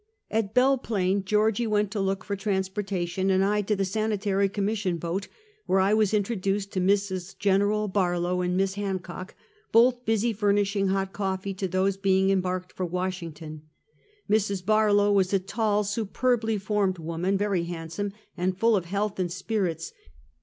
At Belle Plaine, Georgie went to look for trans portation, and I to the Sanitary Commission boat, where I was introduced to Mrs. Gen. Barlow and Miss Hancock, both busy furnishing hot coffee to those be ing embarked for Washington. Mrs. Barlow was a tall, superbly formed woman, very handsome, and full of health and spirits.